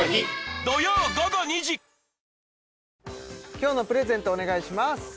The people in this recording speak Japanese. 今日のプレゼントお願いします